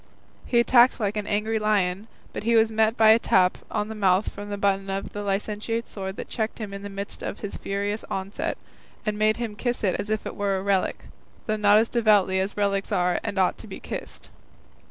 He attacked like an angry lion, but he was met by a tap on the mouth from the button of the licentiate's sword that checked him in the midst of his furious onset, and made him kiss it as if it were a relic, though not as devoutly as relics are and ought to be kissed.